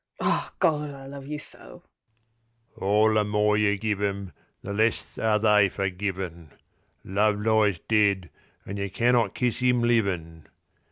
…Ah, Gawd, I love you so! All the more you give 'em the less are they for givin'—Love lies dead, an' you can not kiss 'im livin'.